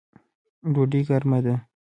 ډوډۍ ګرمه ده